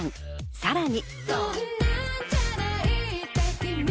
さらに。